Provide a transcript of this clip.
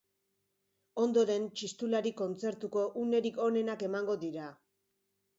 Ondoren txistulari kontzertuko unerik onenak emango dira.